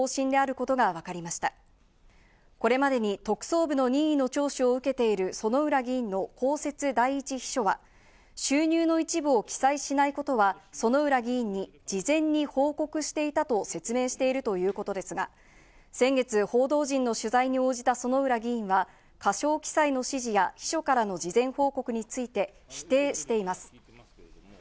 これまでに特捜部の任意の聴取を受けている薗浦議員の公設第一秘書は、収入の一部を記載しないことは薗浦議員に事前に報告していたと説明しているということですが、先月、報道陣の取材に応じた薗浦議員は、過少記載の指示や秘書からの事前報告について否定しています。